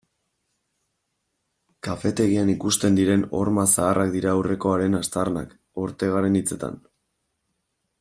Kafetegian ikusten diren horma zaharrak dira aurrekoaren aztarnak, Ortegaren hitzetan.